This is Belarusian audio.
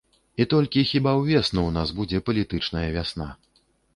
І толькі хіба ўвесну ў нас будзе палітычная вясна.